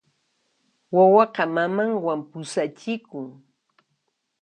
Wawaqa mamanwan pusachikun.